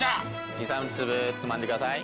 ２３粒つまんでください。